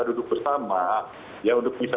duduk bersama ya untuk bisa